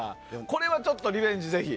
これはちょっとリベンジ、ぜひ。